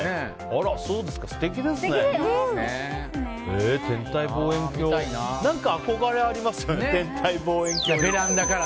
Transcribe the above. あら、そうですか。